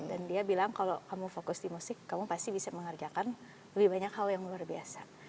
dan dia bilang kalau kamu fokus di musik kamu pasti bisa mengerjakan lebih banyak hal yang luar biasa